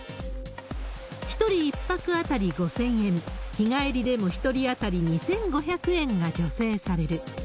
１人１泊当たり５０００円、日帰りでも１人当たり２５００円が助成される。